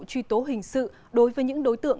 truy tố hình sự đối với những đối tượng